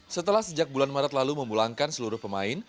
setelah sejak bulan maret lalu memulangkan seluruh pemain